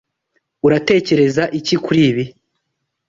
Uratekereza iki kuri ibi?